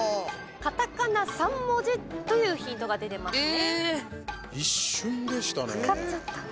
カタカナ３文字というヒントが出ていますね。